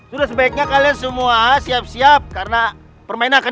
sudah sebaiknya kalian semua siap siap karena permainan akan